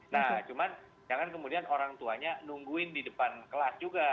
nah cuman jangan kemudian orang tuanya nungguin di depan kelas juga